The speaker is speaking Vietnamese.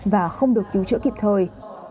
và không được cứu trợ kịp thời